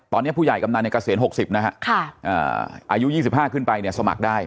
ตอนเนี้ยผู้ใหญ่กำนันในเกษียณหกสิบนะฮะค่ะอ่าอายุยี่สิบห้าขึ้นไปเนี่ยสมัครได้